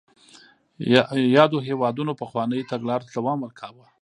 یادو هېوادونو پخوانیو تګلارو ته دوام ورکاوه.